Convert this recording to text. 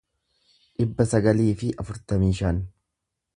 dhibba sagalii fi afurtamii shan